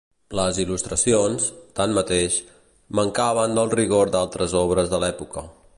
Les il·lustracions, tanmateix, mancaven del rigor d'altres obres de l'època.